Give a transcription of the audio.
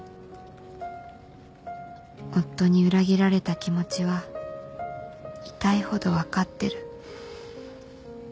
夫に裏切られた気持ちは痛いほど分かってる